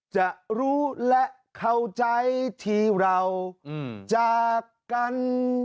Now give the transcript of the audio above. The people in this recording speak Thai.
จะรู้และเข้าใจที่เราจากกัน